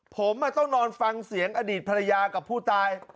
ผมต้องนอนฟังเสียงอดีตภรรยากับผู้ตาย